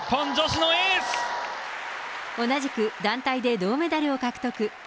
同じく、団体で銅メダルを獲得。